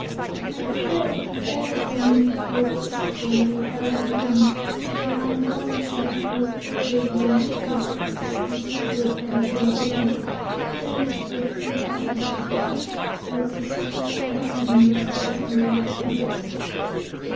I am sure it would be better for me to go peacefully, without an army and armed only with my authority as Ruler, and plead with them to obey me. Then, if they prove obstinate I could resort to other means to win their obedience."